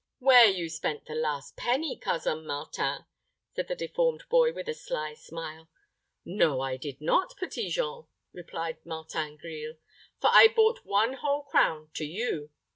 "Where you spent the last penny, Cousin Martin," said the deformed boy, with a sly smile. "No, I did not, Petit Jean," replied Martin Grille; "for I brought one whole crown to you.